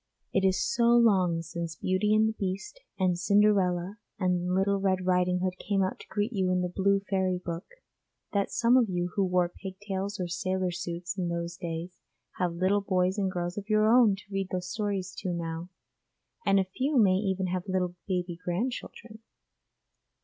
It is so long since Beauty and the Beast and Cinderella and Little Red Riding Hood came out to greet you in the 'Blue Fairy Book,' that some of you who wore pigtails or sailor suits in those days have little boys and girls of your own to read the stories to now, and a few may even have little baby grandchildren.